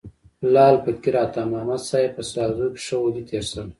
لعل فقیر عطا محمد صاحب په ساکزو کي ښه ولي تیر سوی.